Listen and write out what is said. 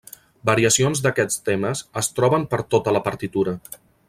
Variacions d'aquests temes es troben per tota la partitura.